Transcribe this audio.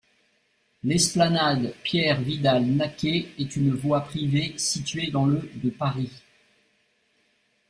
L'esplanade Pierre-Vidal-Naquet est une voie privée située dans le de Paris.